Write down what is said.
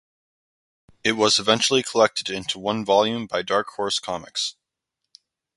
It was eventually collected into one volume by Dark Horse Comics.